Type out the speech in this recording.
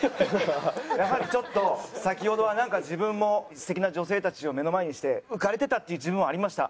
やはりちょっと先ほどはなんか自分も素敵な女性たちを目の前にして浮かれてたっていう自分もありました。